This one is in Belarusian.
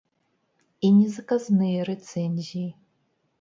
І не заказныя рэцэнзіі.